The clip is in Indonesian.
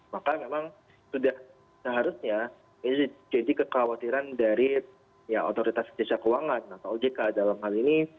maka memang sudah seharusnya ini jadi kekhawatiran dari otoritas jasa keuangan atau ojk dalam hal ini